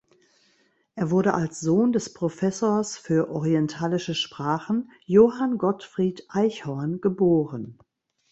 Er wurde als Sohn des Professors für orientalische Sprachen, Johann Gottfried Eichhorn, geboren.